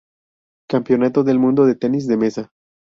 Campeonato del mundo de Tenis de Mesa.